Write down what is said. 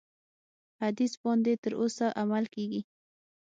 حدیث باندي تر اوسه عمل کیږي.